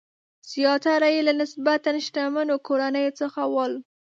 زیاتره یې له نسبتاً شتمنو کورنیو څخه ول.